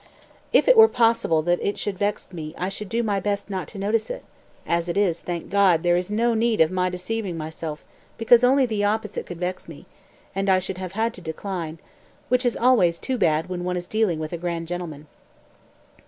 211. "If it were possible that it should vex me I should do my best not to notice it; as it is, thank God, there is no need of my deceiving myself because only the opposite could vex me, and I should have had to decline, which is always too bad when one is dealing with a grand gentleman."